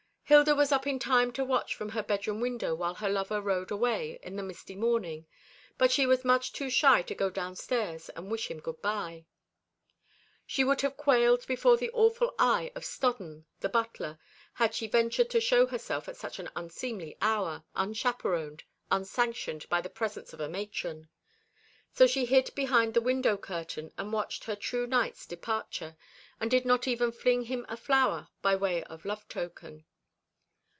Hilda was up in time to watch from her bedroom window while her lover rode away in the misty morning; but she was much too shy to go downstairs and wish him good bye. She would have quailed before the awful eye of Stodden, the butler, had she ventured to show herself at such an unseemly hour, unchaperoned, unsanctioned by the presence of a matron. So she hid behind the window curtain, and watched her true knight's departure, and did not even fling him a flower by way of love token.